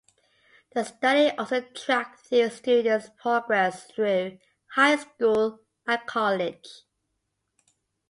The study also tracked these students's progress through high school and college.